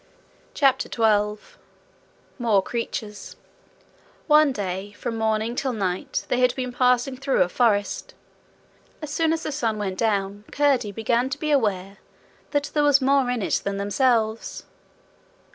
CHAPTER 12 More Creatures One day from morning till night they had been passing through a forest. As soon as the sun was down Curdie began to be aware that there were more in it than themselves.